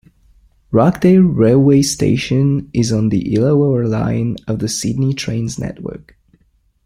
Rockdale railway station is on the Illawarra line of the Sydney Trains network.